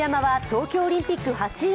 東京オリンピック８位